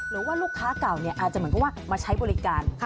หรือว่าลูกค้าเก่าอาจจะเหมือนกับว่ามาใช้บริการ